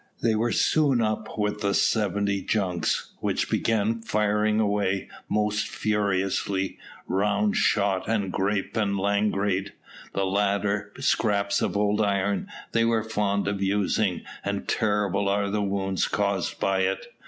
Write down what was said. They were soon up with the seventy junks, which began firing away, most furiously, round shot and grape and langrage; the latter, scraps of old iron, they were fond of using, and terrible are the wounds caused by it.